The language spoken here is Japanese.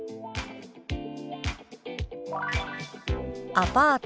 「アパート」。